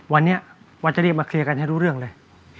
วันนี้วันจะเรียกมาเคลียร์กันให้รู้เรื่องเลย